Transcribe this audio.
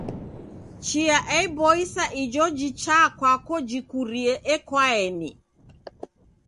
Chia eboisa ijo jichaa kwako jikurie ekoaeni.